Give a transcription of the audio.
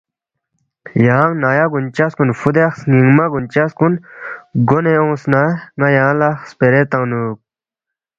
یانگ نیا گونچس کُن فوُدے سنِنگمہ گونچس کُن گونے اونگس نہ ن٘ا یانگ لہ خپیرے تنگنُوک